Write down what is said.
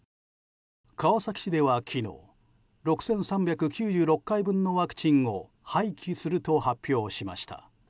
川崎市では昨日６３９６回のワクチンを廃棄すると発表しました。